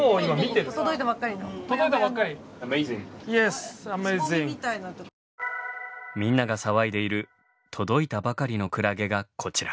みんなが騒いでいる届いたばかりのクラゲがこちら。